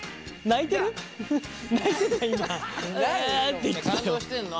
泣いてるの？